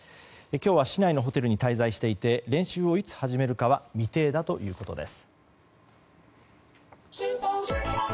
今日は市内のホテルに滞在していて練習をいつ始めるかは未定だということです。